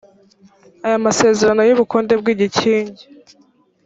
aya masezerano y ubukode bw igikingi